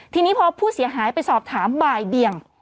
ทีนี้พอผู้เสียหายไปสอบถามบ่ายเบียง